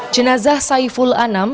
jenazah saiful anam